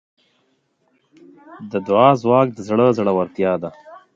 د دعا ځواک د زړه زړورتیا ده.